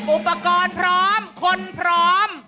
อุปกรณ์พร้อมคนพร้อม